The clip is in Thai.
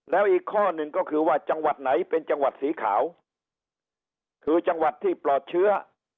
แล้วอีกข้อหนึ่งก็คือว่าจังหวัดไหนเป็นจังหวัดสีขาวคือจังหวัดที่ปลอดเชื้อ